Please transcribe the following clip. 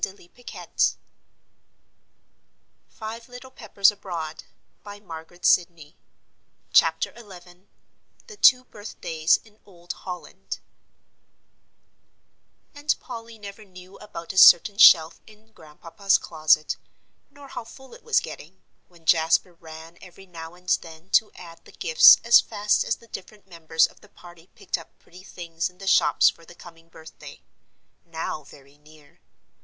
"And ours, too," said little Mrs. Gray, in a shaking voice. XI THE TWO BIRTHDAYS IN OLD HOLLAND And Polly never knew about a certain shelf in Grandpapa's closet, nor how full it was getting, when Jasper ran every now and then to add the gifts as fast as the different members of the party picked up pretty things in the shops for the coming birthday now very near.